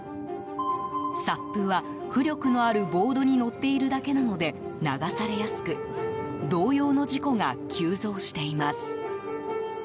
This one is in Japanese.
ＳＵＰは、浮力のあるボードに乗っているだけなので流されやすく同様の事故が急増しています。